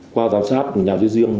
qua giám sát của nhà duy dương